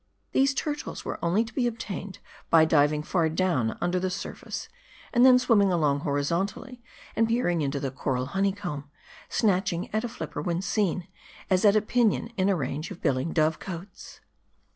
These turtles were only to be obtained by diving far down under the surface ; and then swimming along horizontally, and peering into the coral honeycomb ; snatching at a flipper when seen, as at a pinion in a range of billing dove cotes.